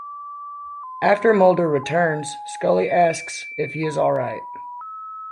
After Mulder returns, Scully asks if he is all right.